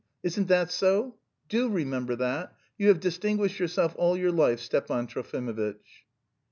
Isn't that so? Do remember that? You have distinguished yourself all your life, Stepan Trofimovitch."